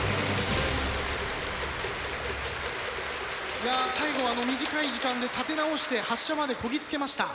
いや最後あの短い時間で立て直して発射までこぎ着けました。